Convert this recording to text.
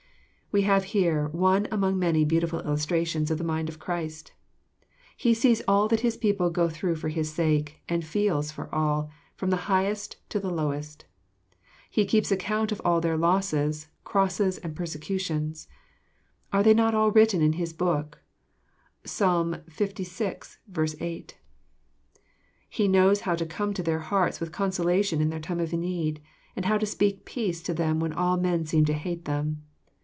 We have here one among many beautiful illustrations of the mind of Christ. He sees all that His people go through for His sake, and feels for all, from the highest to the lowest. He keeps account of all their losses, crosses, and persecutions. '' Are they not all written in His book?" (Psal. Ivi. 8.) He knows how to come to their hearts with consolation in their time of need, and to speak peace to them when all men seem to hate them.